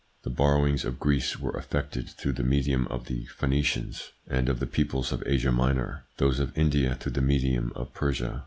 The borrowings of Greece were effected through the medium of the Phoenicians and of the peoples of Asia Minor ; those of India through the medium of Persia.